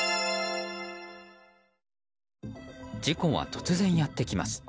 事故は突然やってきます。